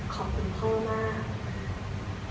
ขอบคุณพ่อมาก